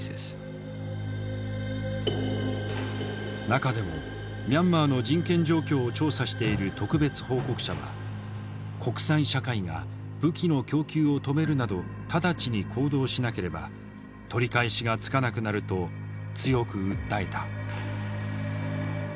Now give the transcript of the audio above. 中でもミャンマーの人権状況を調査している特別報告者は国際社会が武器の供給を止めるなど直ちに行動しなければ取り返しがつかなくなると強く訴えた。